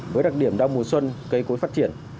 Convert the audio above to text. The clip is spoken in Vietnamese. với đặc điểm đau mùa xuân cây cối phát triển